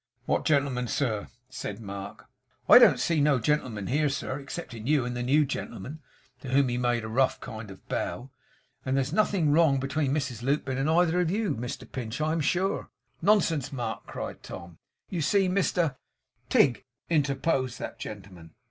'What gentleman, sir?' said Mark. 'I don't see no gentleman here sir, excepting you and the new gentleman,' to whom he made a rough kind of bow 'and there's nothing wrong between Mrs Lupin and either of you, Mr Pinch, I am sure.' 'Nonsense, Mark!' cried Tom. 'You see Mr ' 'Tigg,' interposed that gentleman.